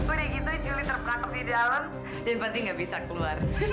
udah gitu juli terpengaruh di daun dan pasti gak bisa keluar